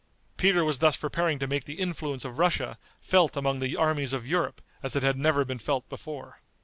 Peter was thus preparing to make the influence of Russia felt among the armies of Europe as it had never been felt before.